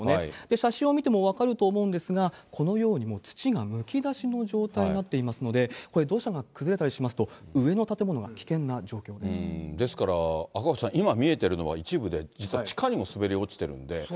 写真を見ても分かると思うんですが、このようにもう、土がむき出しの状態になっていますので、これ、土砂が崩れたりしますと、ですから、赤星さん、今、見えてるのは一部で、実は地下にも滑り落ちてるんで。